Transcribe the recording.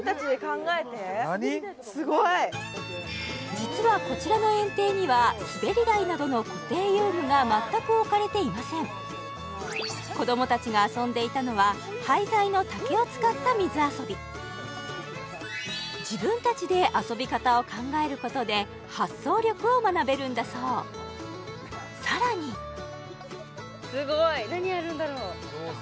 実はこちらの園庭にはすべり台などの固定遊具が全く置かれていません子ども達が遊んでいたのは廃材の自分達で遊び方を考えることで発想力を学べるんだそうさらにすごい何やるんだろう・